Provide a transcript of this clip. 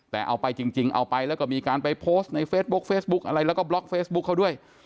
แต่เอาไปจริงเอาไปแล้วก็มีการไปโพสต์ในเฟซบุ๊คเฟซบุ๊กอะไรแล้วก็บล็อกเฟซบุ๊คเขาด้วย